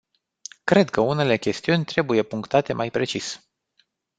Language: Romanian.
Cred că unele chestiuni trebuie punctate mai precis.